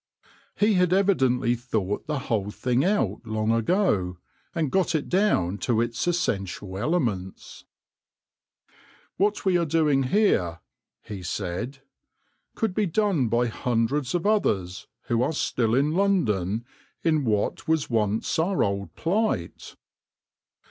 He had evi dently thought the whole thing out long ago, and got it down to its essential elements " What we are doing here," he said, " could be done by hundreds of others who are still in London in what was once our old plight.